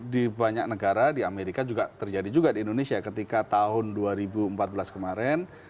di banyak negara di amerika juga terjadi juga di indonesia ketika tahun dua ribu empat belas kemarin